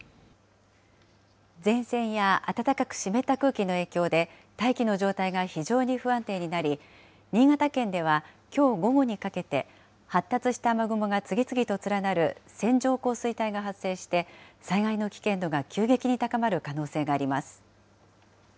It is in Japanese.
前線や暖かく湿った空気の影響で、大気の状態が非常に不安定になり、新潟県ではきょう午後にかけて、発達した雨雲が次々と連なる線状降水帯が発生して、災害の危険度が急激に高まる可能性があります。